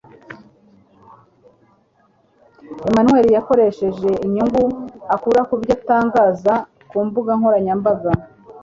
Emmanuel yakoresheje inyungu akura ku byo atangaza ku mbuga nkoranyambaga